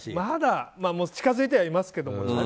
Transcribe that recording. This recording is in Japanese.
まだ近づいてはいますけど。